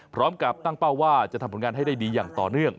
พร้อมกับตั้งเป้าว่าจะทำผลงานให้ได้ดีอย่างต่อเนื่อง